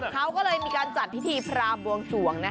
เขาก็เลยมีการจัดพิธีพรามบวงสวง